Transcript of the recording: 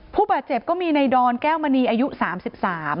ผู้บาดเจ็บก็มีในดอนแก้วมณีอายุ๓๓ปี